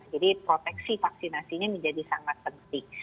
jadi proteksi vaksinasi ini menjadi sangat penting